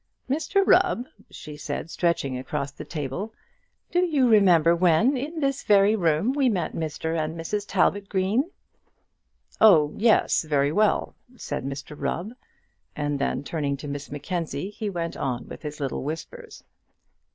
"Mr Rubb," she said, stretching across the table, "do you remember when, in this very room, we met Mr and Mrs Talbot Green?" "Oh yes, very well," said Mr Rubb, and then turning to Miss Mackenzie, he went on with his little whispers.